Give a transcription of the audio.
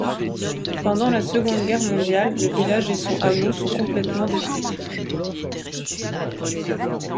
Pendant la Seconde Guerre mondiale, le village et son hameau sont complètement détruits.